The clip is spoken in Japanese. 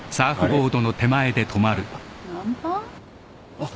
あっ。